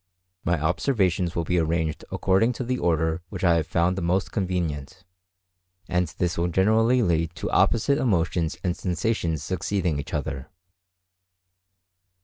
My observations will be arranged according to the order which I have found the most convenient; and this will generally lead to opposite emotions and sensations succeeding each other.